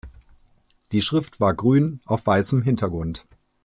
Die Schrift war grün auf weißem Hintergrund.